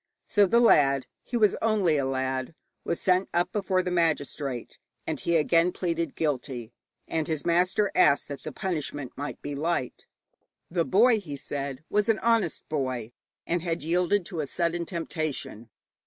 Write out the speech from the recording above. So the lad he was only a lad was sent up before the magistrate, and he again pleaded guilty, and his master asked that the punishment might be light. The boy, he said, was an honest boy, and had yielded to a sudden temptation.